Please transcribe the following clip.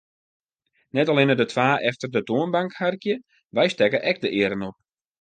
Net allinne de twa efter de toanbank harkje, wy stekke ek de earen op.